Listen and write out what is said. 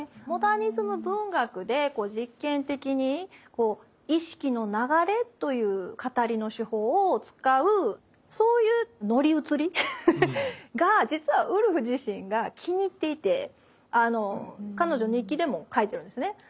モダニズム文学でこう実験的に「意識の流れ」という語りの手法を使うそういう乗り移りが実はウルフ自身が気に入っていてあの彼女日記でも書いてるんですね。